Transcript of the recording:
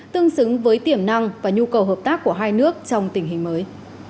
tương xứng với tiềm năng và nhu cầu hợp tác của hai nước trong tình hình mới